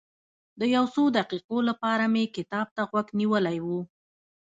د یو څو دقیقو لپاره مې کتاب ته غوږ نیولی و.